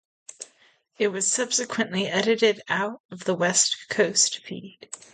It was subsequently edited out of the West Coast feed.